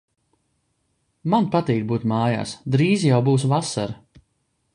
Man patīk būt mājās. Drīz jau būs vasara.